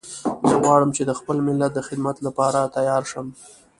زه غواړم چې د خپل ملت د خدمت لپاره تیار شم